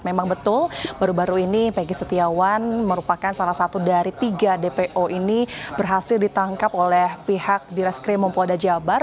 memang betul baru baru ini peggy setiawan merupakan salah satu dari tiga dpo ini berhasil ditangkap oleh pihak di reskrimum polda jabar